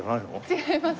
違います。